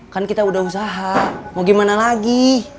kan kita udah usaha mau gimana lagi